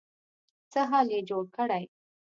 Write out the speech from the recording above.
څه حال يې جوړ کړی.